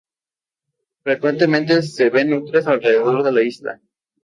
Durante un tiempo, fue boxeador.